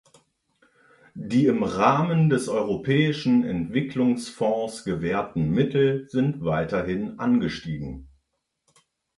Die im Rahmen des Europäischen Entwicklungsfonds gewährten Mittel sind weiterhin angestiegen.